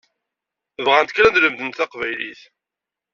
Bɣant kan ad lemdent taqbaylit.